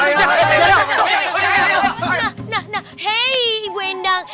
nah nah nah hei bu endang